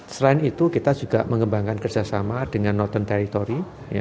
selain itu kita juga mengembangkan kerjasama dengan northern territory